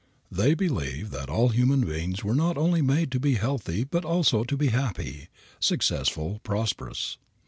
They believe that all human beings were not only made to be healthy but also to be happy, successful, prosperous.